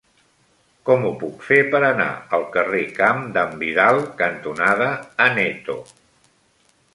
Com ho puc fer per anar al carrer Camp d'en Vidal cantonada Aneto?